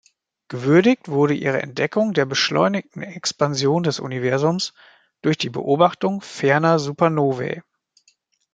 Gewürdigt wurde ihre Entdeckung der beschleunigten Expansion des Universums durch die Beobachtung ferner Supernovae.